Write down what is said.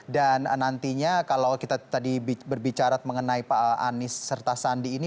dan nantinya kalau kita tadi berbicara mengenai pak anies serta sandi ini